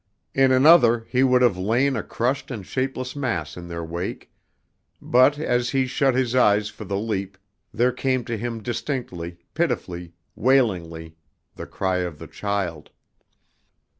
In another he would have lain a crushed and shapeless mass in their wake; but as he shut his eyes for the leap there came to him distinctly, pitifully, wailingly, the cry of the child.